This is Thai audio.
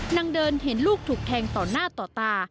นางเดินเห็นลูกถูกแทงต่อหน้าต่อตา